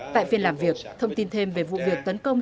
tại phiên làm việc thông tin thêm về vụ việc tấn công